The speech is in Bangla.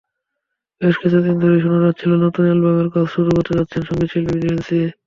বেশ কিছুদিন ধরেই শোনা যাচ্ছিল, নতুন অ্যালবামের কাজ শুরু করতে যাচ্ছেন সংগীতশিল্পী ন্যান্সি।